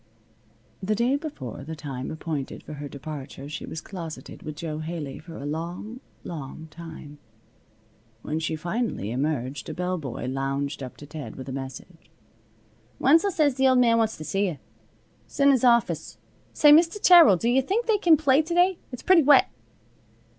The day before the time appointed for her departure she was closeted with Jo Haley for a long, long time. When finally she emerged a bellboy lounged up to Ted with a message. "Wenzel says th' Old Man wants t' see you. 'S in his office. Say, Mr. Terrill, do yuh think they can play to day? It's pretty wet."